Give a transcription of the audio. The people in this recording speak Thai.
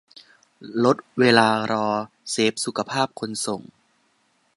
- ลดเวลารอ เซฟสุขภาพคนส่ง